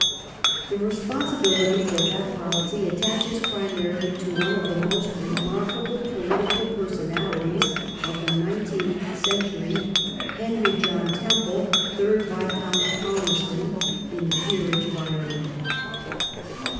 The responsibility for that policy attaches primarily to one Lord of the most remarkable political personalities of the nineteenth y^"^^"^' century — Henry John Temple, third Viscount Palmerston in the peerage of Ireland.